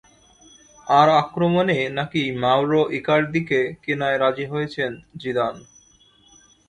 আর আক্রমণে নাকি মাওরো ইকার্দিকে কেনায় রাজি হয়েছেন জিদান।